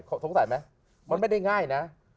สงสัยไหมมันไม่ได้ง่ายนะ